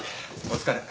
お疲れ。